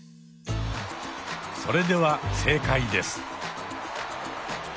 それでは正解です。